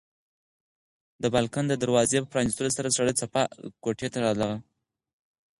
د بالکن د دروازې په پرانیستلو سره سړه څپه کوټې ته راغله.